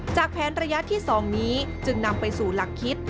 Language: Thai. แผนระยะที่๒นี้จึงนำไปสู่หลักคิด